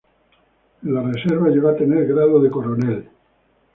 En las reservas llegó a tener grado de coronel.